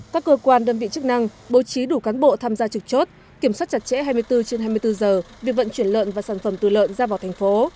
các cơ quan đơn vị chức năng bố trí đủ cán bộ tham gia trực chốt kiểm soát chặt chẽ hai mươi bốn trên hai mươi bốn giờ việc vận chuyển lợn và sản phẩm từ lợn ra vào thành phố